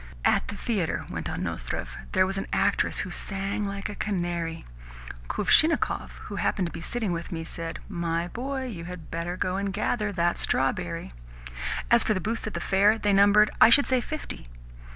"At the theatre," went on Nozdrev, "there was an actress who sang like a canary. Kuvshinnikov, who happened to be sitting with me, said: 'My boy, you had better go and gather that strawberry.' As for the booths at the fair, they numbered, I should say, fifty."